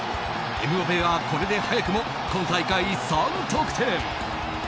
エムバペはこれで早くも今大会３得点。